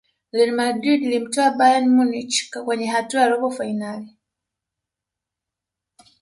real madrid ilimtoa bayern munich kwenye hatua ya robo fainali